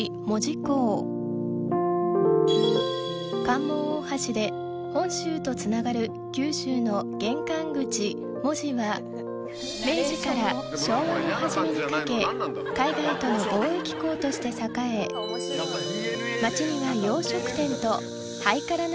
関門大橋で本州とつながる九州の玄関口門司は明治から昭和の初めにかけ海外との貿易港として栄え街には洋食店とハイカラなメニューが誕生。